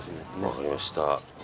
わかりました。